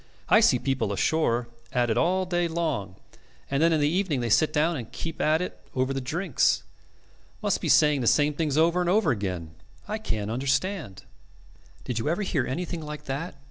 I see people ashore at it all day long, and then in the evening they sit down and keep at it over the drinks. Must be saying the same things over and over again. I can't understand.' "Did you ever hear anything like that?